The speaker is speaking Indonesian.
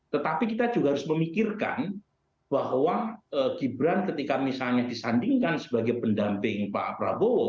tetapi kita juga harus memikirkan bahwa gibran ketika misalnya disandingkan sebagai pendamping pak prabowo